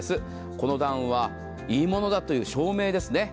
このダウンはいいものだという証明ですね。